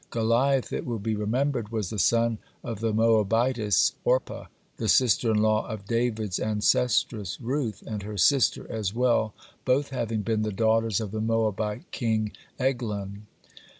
Goliath, it will be remembered, was the son of the Moabitess Orpah, (27) the sister in law of David's ancestress Ruth, and her sister as well, both having been the daughters of the Moabite king Eglon.